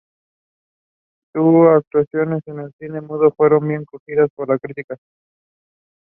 Sus actuaciones en el cine mudo fueron bien acogidas por la crítica.